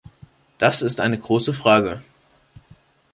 Das ist eine große Frage!